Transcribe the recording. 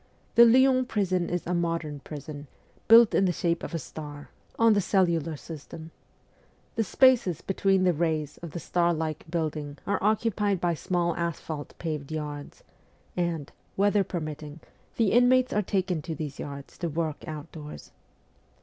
The Lyons prison is a ' modern ' prison, built in the shape of a star, on the cellular system. The spaces between the rays of the star like building are occupied by small asphalte paved yards, and, weather permitting, the inmates are taken to these yards to work outdoors.